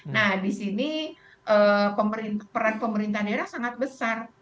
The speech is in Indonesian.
nah disini peran pemerintah daerah sangat besar